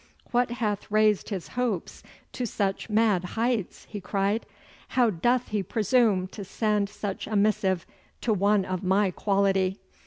'What hath raised his hopes to such mad heights?' he cried. 'How doth he presume to send such a missive to one of my quality?